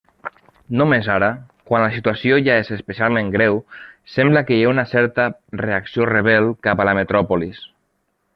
Només ara, quan la situació ja és especialment greu, sembla que hi ha una certa reacció rebel cap a la metròpolis.